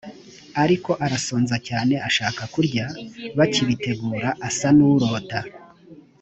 ariko arasonza cyane ashaka kurya. bakibitegura asa n urota a